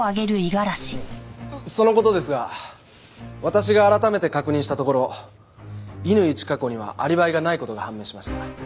その事ですが私が改めて確認したところ乾チカ子にはアリバイがない事が判明しました。